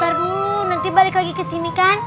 per dulu nanti balik lagi kesini kan